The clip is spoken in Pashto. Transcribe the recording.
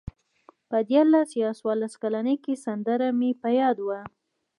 په دیارلس یا څوارلس کلنۍ کې سندره مې په یاد وه.